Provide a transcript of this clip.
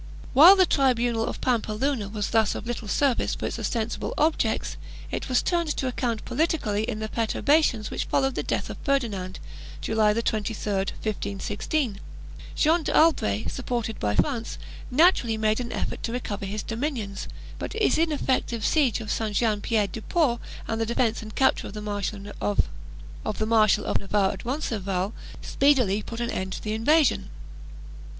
While the tribunal of Pampeluna was thus of little service for its ostensible objects, it was turned to account politically in the perturbations which followed the death of Ferdinand, January 23, 1516. Jean d'Albret, supported by France, natu rally made an effort to recover his dominions, but his ineffective siege of Saint Jean Pied du Port, and the defeat and capture of the Marshal of Navarre at Roncesvalles, speedily put an end to the invasion.